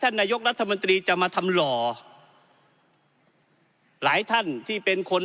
นายกรัฐมนตรีจะมาทำหล่อหลายท่านที่เป็นคน